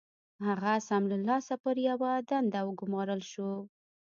هغه سم له لاسه پر يوه دنده وګومارل شو.